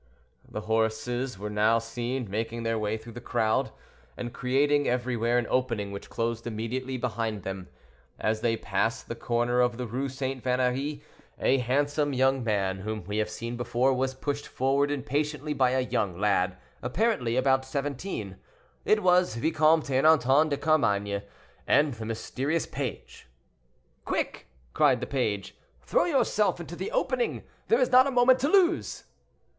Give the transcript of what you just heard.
The horses were now seen making their way through the crowd, and creating everywhere an opening which closed immediately behind them. As they passed the corner of the Rue St. Vannerie, a handsome young man, whom we have seen before, was pushed forward impatiently by a young lad, apparently about seventeen. It was the Vicomte Ernanton de Carmainges and the mysterious page. "Quick!" cried the page; "throw yourself into the opening, there is not a moment to lose."